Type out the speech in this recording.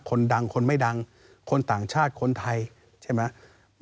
คนดังคนไม่ดังคนต่างชาติคนไทยใช่ไหม